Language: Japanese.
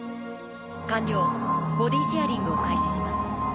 完了ボディシェアリングを開始します。